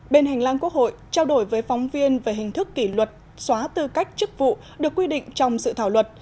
bên hành lang quốc hội trao đổi với phóng viên về hình thức kỷ luật xóa tư cách chức vụ được quy định trong dự thảo luật